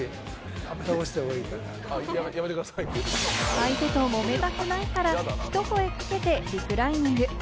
相手と揉めたくないから、ひと声かけてリクライニング。